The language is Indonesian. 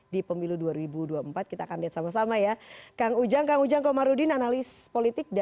di pemilu dua ribu dua puluh empat kita akan lihat sama sama ya kang ujang kang ujang komarudin analis politik